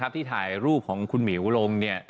ที่ถ่ายรูปของคุณหมิวลง